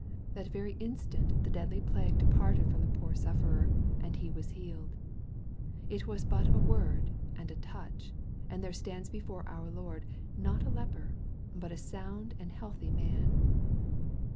That very instant the deadly plague departed from the poor sufferer, and he was healed.. It was but a word, and a touch, and there stands before our Lord, not a leper, but a sound and healthy man.